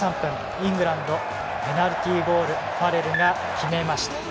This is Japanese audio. イングランド、ペナルティゴールファレルが決めました。